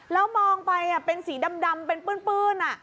แล้วมองไปเป็นสีดำเป็นปื้น